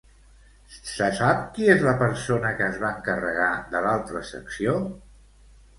Se sap qui és la persona que es va encarregar de l'altra secció?